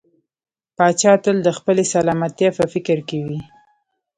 پاچا تل د خپلې سلامتيا په فکر کې وي .